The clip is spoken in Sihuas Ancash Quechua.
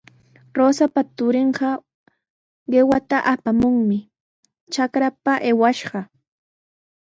Rosapa turinqa qiwata apamuqmi trakrapa aywashqa.